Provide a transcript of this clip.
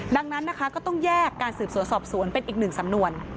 ดังนั้นนะคะก็ต้องแยกการสืบสวนสอบสวนเป็นอีกหนึ่งสำนวน